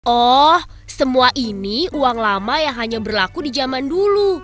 oh semua ini uang lama yang hanya berlaku di zaman dulu